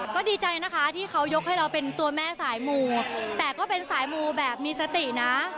ก็ดีใจนะคะที่เขายกให้เราเป็นตัวแม่สายมูแต่ก็เป็นสายมูแบบมีสตินะ